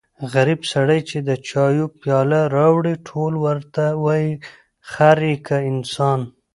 غریب سړی چې د چایو پیاله واړوي ټول ورته وایي خر يې که انسان.